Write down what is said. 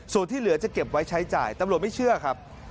ส่วนที่เหลือจะเก็บไว้ใช้จ่ายตำรวจไม่เชื่อครับ